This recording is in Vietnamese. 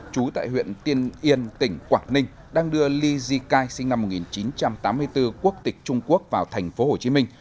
trú tại huyện tiên yên tỉnh quảng ninh đang đưa li jicai sinh năm một nghìn chín trăm tám mươi bốn quốc tịch trung quốc vào thành phố hồ chí minh